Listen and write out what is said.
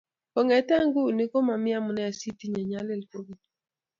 kongete nguno ko mami amune si tinye nyalil kogeny